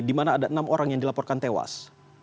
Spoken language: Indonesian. di mana ada enam orang yang dilaporkan tewas